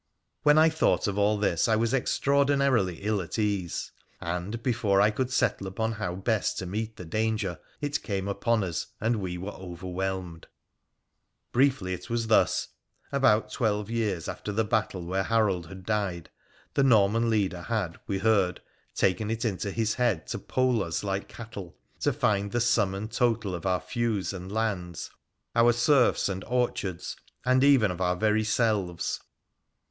When I thought of all this I was extraordinarily ill at ease, and, before I could settle upon how best to meet the danger, it came upon us, and we were overwhelmed. Briefly, it was thus. About twelve years after the battle where Harold had died, the Norman leader had, we heard, taken it into his head to poll us like cattle, to find the sum and total of our feus and lands, our Berfs and orchards, and even of our very selves